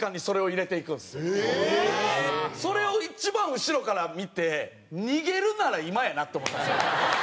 それを一番後ろから見て逃げるなら今やなって思ったんですよ。